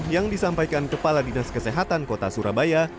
yang disampaikan kepala dinas kesehatan kota surabaya